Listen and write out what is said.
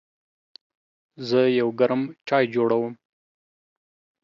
زه یو ګرم چای جوړوم.